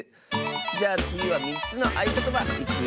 じゃあつぎは３つのあいことばいくよ！